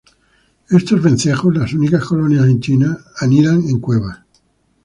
Estos vencejos, las únicas colonias en China, anidan en cuevas.